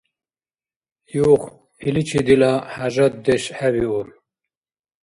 Юх, иличи дила хӏяжатдеш хӏебиуб.